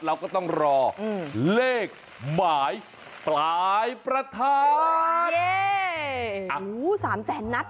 เราก็ต้องรออืมเลขหมายปลายประทัดเย้อุ้ยสามแสนนัด